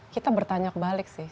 kita bertanya kebalik sih